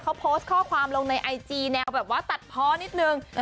เขาโพสต์ข้อความลงในไอจีแนวแบบว่าตัดเพาะนิดนึง